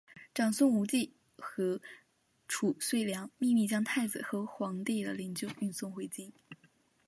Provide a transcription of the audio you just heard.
长孙无忌和褚遂良秘密将太子和皇帝的灵柩运送回京。